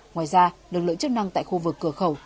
ngoài ra lực lượng chức năng tại khu vực cửa khẩu